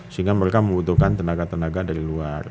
sehingga mereka membutuhkan tenaga tenaga dari luar